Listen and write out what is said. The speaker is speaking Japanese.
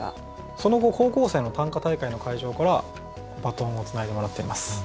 その後高校生の短歌大会の会場からバトンをつないでもらっています。